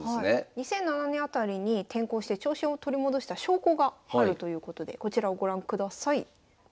２００７年辺りに転向して調子を取り戻した証拠があるということでこちらをご覧ください。